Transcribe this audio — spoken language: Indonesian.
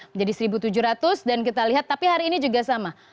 menjadi satu tujuh ratus dan kita lihat tapi hari ini juga sama